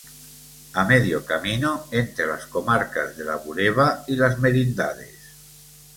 A medio camino entre las comarcas de la Bureba y Las Merindades.